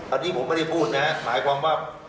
อันนี้ผมไม่ได้พูดนะหมายความว่า